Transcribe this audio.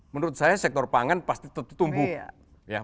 menurut saya sektor pangan pasti tentu tumbuh